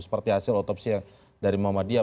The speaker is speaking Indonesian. seperti hasil otopsi yang dari muhammadiyah